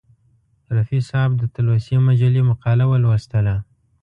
رفیع صاحب د تلوسې مجلې مقاله ولوستله.